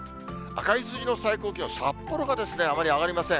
赤い数字の最高気温、札幌がですね、あまり上がりません。